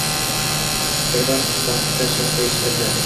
Birdan pastda sharpa eshitildi.